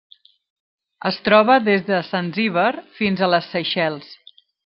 Es troba des de Zanzíbar fins a les Seychelles.